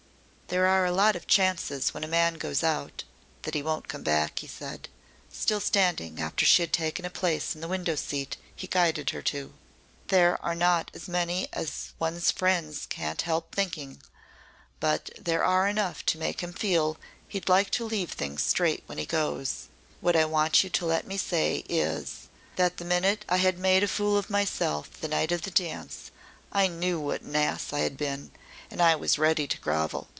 "There are a lot of chances when a man goes out that he won't come back," he said, still standing after she had taken a place in the window seat he guided her to. "There are not as many as one's friends can't help thinking but there are enough to make him feel he'd like to leave things straight when he goes. What I want you to let me say is, that the minute I had made a fool of myself the night of the dance, I knew what an ass I had been and I was ready to grovel."